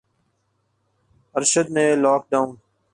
ارشد نے lock down